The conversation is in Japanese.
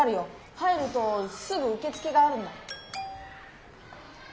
入るとすぐうけつけがあるんだ。